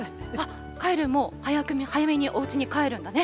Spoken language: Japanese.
カエルンも、早めにお家に帰るんだね。